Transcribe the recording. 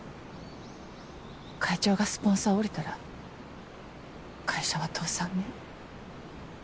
会長がスポンサー降りたら会社は倒産ね。